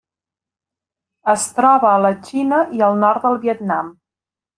Es troba a la Xina i al nord del Vietnam.